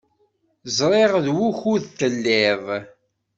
Ẓriɣ d wukud telliḍ.